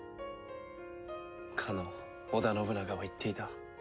かの織田信長は言っていた。